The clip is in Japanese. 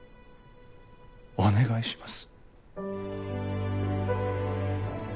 お願いします